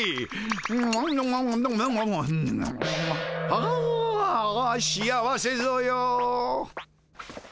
あ幸せぞよ。